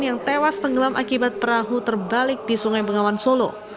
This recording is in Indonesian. yang tewas tenggelam akibat perahu terbalik di sungai bengawan solo